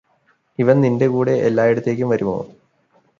ഇവന് നിന്റെ കൂടെ എല്ലായിടത്തേക്കും വരുമോ